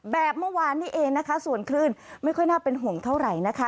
เมื่อวานนี้เองนะคะส่วนคลื่นไม่ค่อยน่าเป็นห่วงเท่าไหร่นะคะ